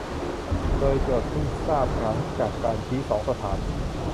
โดยโจทก์เพิ่งทราบหลังจากการชี้สองสถาน